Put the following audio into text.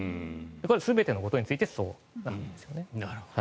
全てのことについてそう考えているんですね。